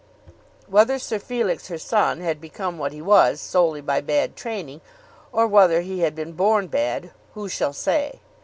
Whether Sir Felix, her son, had become what he was solely by bad training, or whether he had been born bad, who shall say?